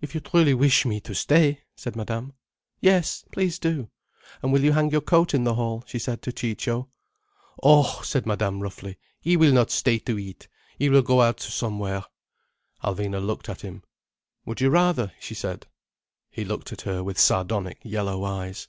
"If you truly wish me to stay," said Madame. "Yes, please do. And will you hang your coat in the hall?" she said to Ciccio. "Oh!" said Madame roughly. "He will not stay to eat. He will go out to somewhere." Alvina looked at him. "Would you rather?" she said. He looked at her with sardonic yellow eyes.